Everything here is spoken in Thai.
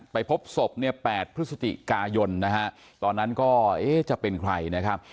ไปพบศพเนี่ยแปดพฤษฎิกายนตอนนั้นก็จะเป็นใครนะครับ